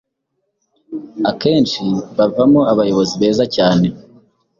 Akenshi bavamo abayobozi beza cyane